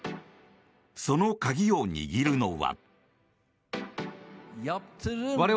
その鍵を握るのは。